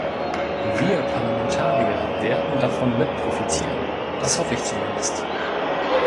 Wir Parlamentarier werden davon mitprofitieren, das hoffe ich zumindest!